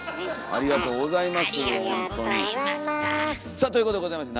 ありがとうございます。